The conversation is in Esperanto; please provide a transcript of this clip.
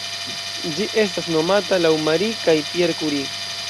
Ĝi estas nomata laŭ Marie kaj Pierre Curie.